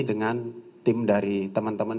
dengan tim dari teman teman